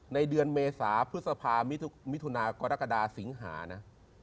ในเดือนเมษาพฤษภามิถุนากรกฎาสิงหานะ